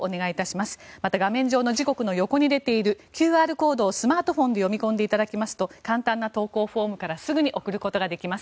また、画面上の時刻の横に出ているＱＲコードをスマートフォンで読み込んでいただきますと簡単な投稿フォームからすぐに送ることができます。